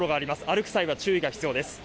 歩く際は注意が必要です。